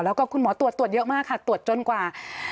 แล้วก็คุณหมอตรวจตรวจเยอะมากค่ะตรวจจนกว่า